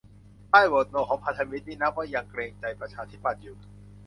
ป้ายโหวตโนของพันธมิตรนี่นับว่ายังเกรงใจประชาธิปัตย์อยู่